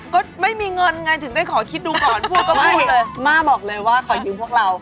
ก็ไม่มีเงินไงถึงได้ขอคิดดูก่อนพูดก็พูดเลยม่าบอกเลยว่าขอยืมพวกเรา